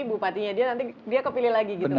tapi bupatinya dia nanti dia kepilih lagi gitu mbak ya